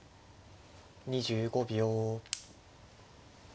２５秒。